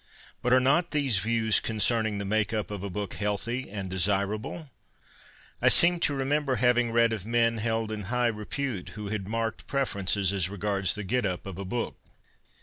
But are not these views concerning the make up of a book healthy and desirable ? I seem to remember having read of men held in high repute who had marked preferences as regards the get up of a book.